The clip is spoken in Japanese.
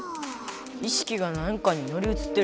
意識がなんかに乗り移ってる？